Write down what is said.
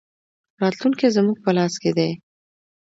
راتلونکی زموږ په لاس کې دی